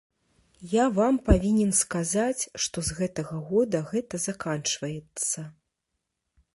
Я вам павінен сказаць, што з гэтага года гэта заканчваецца.